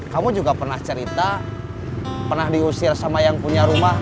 kamu juga pernah cerita pernah diusir sama yang punya rumah